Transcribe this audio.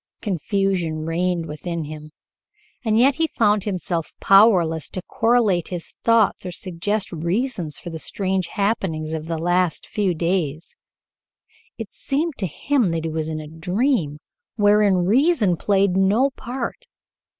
Confusion reigned within him, and yet he found himself powerless to correlate his thoughts or suggest reasons for the strange happenings of the last few days. It seemed to him that he was in a dream wherein reason played no part.